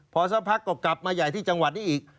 พอสักพักก็กลับมาใหญ่ที่จังหวัดนี้อีก